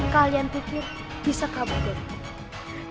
kalian pikir bisa kabur dari ini